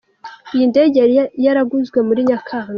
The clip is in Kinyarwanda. Iyi ndege yari yaraguzwe muri Nyakanga